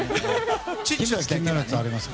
チッチは気になるやつあります？